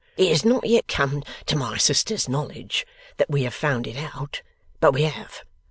It has not yet come to my sister's knowledge that we have found it out, but we have.